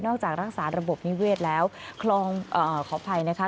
จากรักษาระบบนิเวศแล้วคลองขออภัยนะคะ